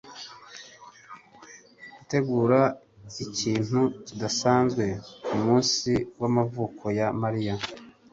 Gutegura ikintu kidasanzwe kumunsi wamavuko ya Mariya.